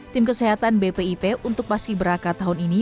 tim kesehatan bpip untuk paski beraka tahun ini